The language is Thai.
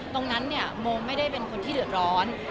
ตรงนั้นเนี่ยโมไม่ได้เป็นคนที่เดือดร้อน